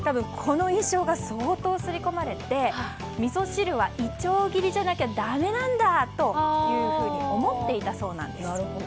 この印象が相当刷り込まれてみそ汁はいちょう切りじゃないとだめなんだと思っていたそうなんです。